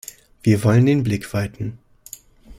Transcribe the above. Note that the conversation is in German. Wir wollen den Blick weiten.